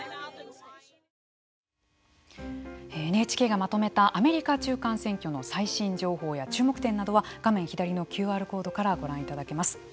ＮＨＫがまとめたアメリカ中間選挙の最新情報や注目点などは画面左のＱＲコードからご覧いただけます。